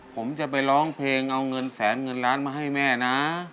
ผมจะไปร้องเพลงเอาเงินแสนเงินล้านมาให้แม่นะ